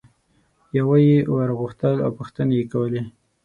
یوه یي ور غوښتل او پوښتنې یې کولې.